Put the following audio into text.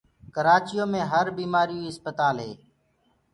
ڪرآچيو مي هر بيمآريو ڪيٚ آسپتآلينٚ هينٚ